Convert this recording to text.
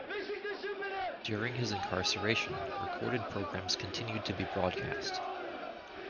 During his incarceration, recorded programs continued to be broadcast.